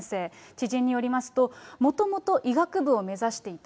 知人によりますと、もともと医学部を目指していた。